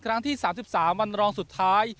ครั้งที่๓๓วันรองสุดท้าย